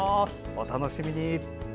お楽しみに。